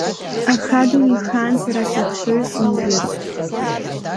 Аха дунеихаан сара сыхшыҩ сымжәыцт…